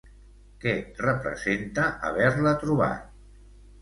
Què representa haver-la trobat?